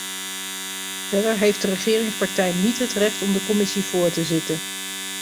Verder heeft de regeringspartij niet het recht om de commissie voor te zitten.